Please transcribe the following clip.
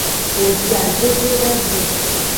Wo ji ajo jodagbe.